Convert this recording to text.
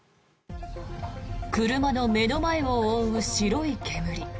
車の目の前を覆う白い煙。